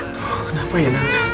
kenapa ya nanti